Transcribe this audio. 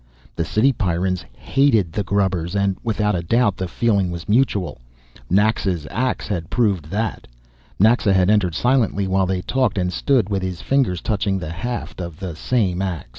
The city Pyrrans hated the "grubbers" and, without a doubt, the feeling was mutual. Naxa's ax had proved that. Naxa had entered silently while they talked, and stood with his fingers touching the haft of this same ax.